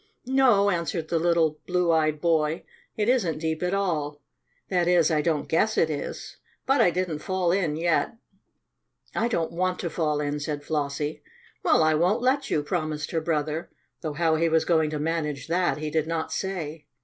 "No," answered the little blue eyed boy. "It isn't deep at all. That is, I don't guess it is, but I didn't fall in yet." "I don't want to fall in," said Flossie. "Well, I won't let you," promised her brother, though how he was going to manage that he did not say.